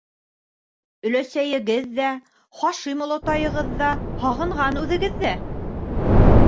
- Өләсәйегеҙ ҙә, Хашим олатайығыҙ ҙа һағынған үҙегеҙҙе.